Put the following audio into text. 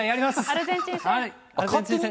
アルゼンチン戦です。